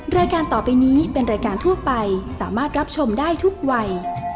รายการต่อไปนี้เป็นรายการทั่วไปสามารถรับชมได้ทุกวัย